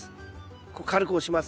こう軽く押します。